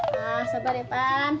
nah sabar ya ipan